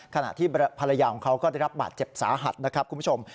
ขณะที่ภรรยาของเขาก็ได้รับบาดเจ็บสาหัสนะครับคุณผู้ชม